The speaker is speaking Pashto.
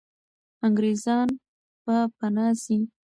انګریزان به پنا سي.